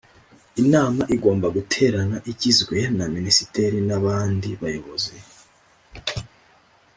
inama igomba guterana igizwe na minisitiri n abandi bayobozi